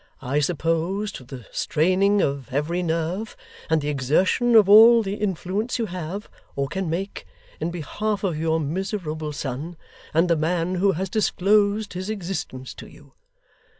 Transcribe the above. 'I suppose to the straining of every nerve, and the exertion of all the influence you have, or can make, in behalf of your miserable son, and the man who has disclosed his existence to you.